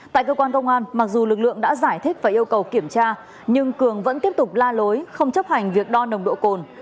tại cơ quan công an mặc dù lực lượng đã giải thích và yêu cầu kiểm tra nhưng cường vẫn tiếp tục la lối không chấp hành việc đo nồng độ cồn